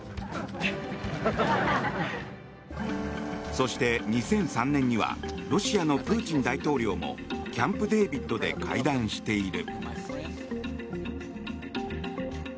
そして、２００３年にはロシアのプーチン大統領もキャンプデービッドで会談している。